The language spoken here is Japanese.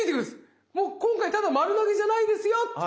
もう今回ただ丸投げじゃないですよ。